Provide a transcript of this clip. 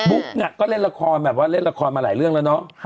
บุ๊กก็เล่นละครมาหลายเรื่องแล้วเนาะ